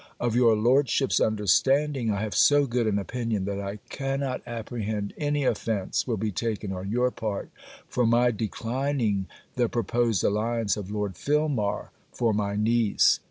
Of your Lordship's understanding I have so good an opinion, that I cannot apprehend any offence will be taken on your part for my declining the proposed alliance of Lord Filmar for my niece.